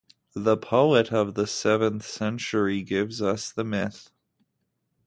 The poet of the seventh century gives us the myth.